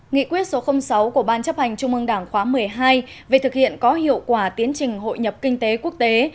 nghị quyết số sáu của ban chấp hành trung ương đảng khóa một mươi hai về thực hiện có hiệu quả tiến trình hội nhập kinh tế quốc tế